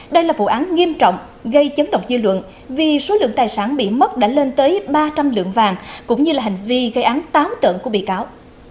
đây là vụ án nghiêm trọng gây chấn động dư luận vì số lượng tài sản bị mất đã lên tới ba trăm linh lượng vàng cũng như là hành vi gây án táo tợn của bị cáo